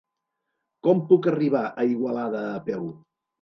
Com puc arribar a Igualada a peu?